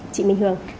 chị minh hương